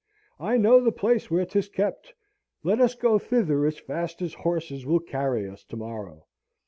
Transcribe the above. I know the place where 'tis kept let us go thither as fast as horses will carry us to morrow.